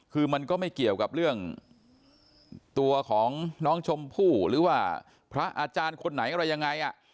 คือมันก็ไม่เกี่ยวกับเรื่องตัวของน้องชมพู่หรือว่าพระอาจารย์คนไหนอะไรยังไง